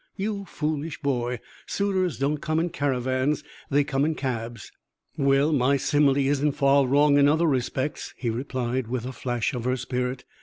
"You foolish boy! Suitors don't come in caravans they come in cabs." "Well, my simile isn't far wrong in other respects," he replied, with a flash of her spirit.